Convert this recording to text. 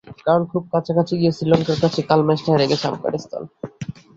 কারণ খুব কাছাকাছি গিয়ে শ্রীলঙ্কার কাছে কাল ম্যাচটা হেরে গেছে আফগানিস্তান।